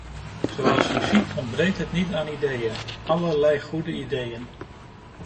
Zoals u ziet ontbreekt het niet aan ideeën, allerlei goede ideeën.